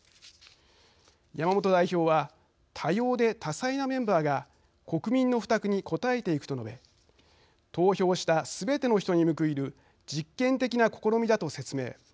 山本代表は「多様で多彩なメンバーが国民の負託に応えていく」と述べ投票したすべての人に報いる実験的な試みだと説明。